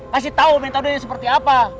kasih tahu metodenya seperti apa